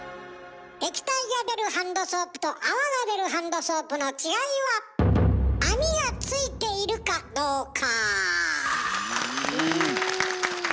液体が出るハンドソープと泡が出るハンドソープの違いは網がついているかどうか。